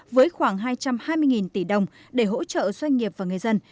với khoảng hai trăm hai mươi tỷ đồng để hỗ trợ doanh nghiệp và người dân